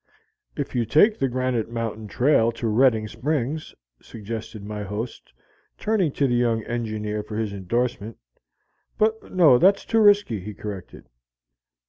"If you take the Granite Mt. trail to Redding Springs," suggested my host, turning to the young engineer for his indorsement "but no, that's too risky," he corrected.